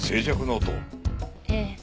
ええ。